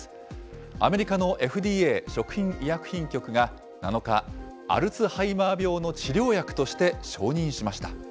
アメリカのＦＤＡ・食品医薬品局が７日、アルツハイマー病の治療薬として承認しました。